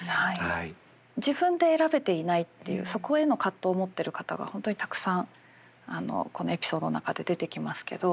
自分で選べていないっていうそこへの葛藤を持ってる方が本当にたくさんこのエピソードの中で出てきますけど。